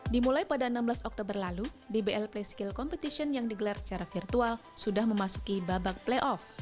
dimulai pada enam belas oktober lalu dbl play skill competition yang digelar secara virtual sudah memasuki babak playoff